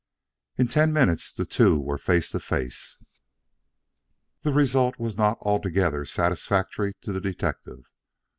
In ten minutes the two were face to face. The result was not altogether satisfactory to the detective.